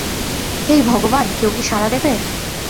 হেই ভগবান, কেউ কি সাড়া দেবে।